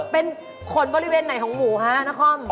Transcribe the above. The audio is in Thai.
เป็นขนบริเวณไหนของหมูฮะนคร